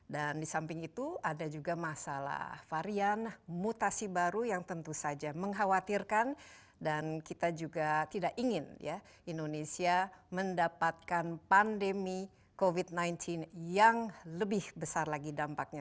dan di samping itu ada juga masalah varian mutasi baru yang tentu saja mengkhawatirkan dan kita juga tidak ingin indonesia mendapatkan pandemi covid sembilan belas yang lebih besar lagi dampaknya